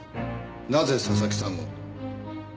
なぜ佐々木さんを？